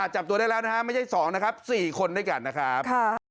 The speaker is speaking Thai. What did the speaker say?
จับตัวได้แล้วนะฮะไม่ใช่๒นะครับ๔คนด้วยกันนะครับ